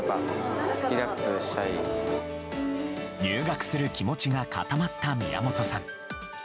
入学する気持ちが固まった宮本さん。